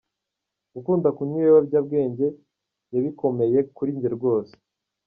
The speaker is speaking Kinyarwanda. Gukunda kunywa ibiyobyabwenge yabikomeye kuri njye rwose”.